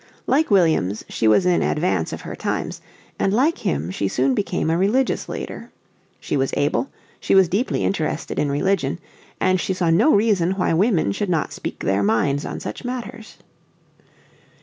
Like Williams she was in advance of her times, and like him she soon became a religious leader. She was able, she was deeply interested in religion, and she saw no reason why women should not speak their minds on such matters.